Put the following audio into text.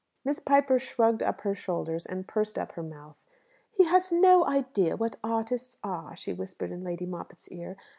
Miss Piper shrugged up her shoulders and pursed up her mouth. "He has no idea what artists are," she whispered in Lady Moppett's ear.